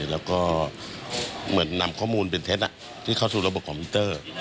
แล้วก็เหมือนนำข้อมูลเป็นเท็จที่เข้าสู่ระบบคอมพิวเตอร์